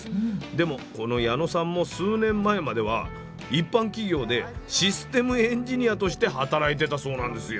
でもこの矢野さんも数年前までは一般企業でシステムエンジニアとして働いてたそうなんですよ。